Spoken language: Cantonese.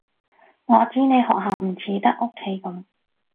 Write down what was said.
我知你學校唔似得屋企噉